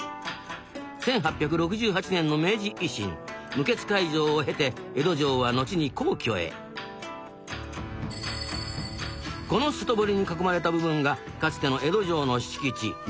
１８６８年の明治維新無血開城を経て江戸城は後に「皇居」へこの外堀に囲まれた部分がかつての江戸城の敷地。